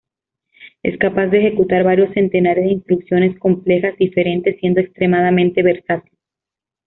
Es capaz de ejecutar varios centenares de instrucciones complejas diferentes siendo extremadamente versátil.